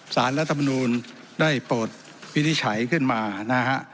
สารรัฐมณูนได้โปรดวิทยาวิทยาลัยขึ้นมานะฮะ